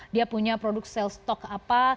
dia punya produk selstok apa